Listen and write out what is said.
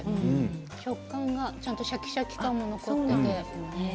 食感がシャキシャキ感も残っていて。